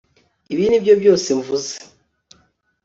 Ibi nibyo byose mvuze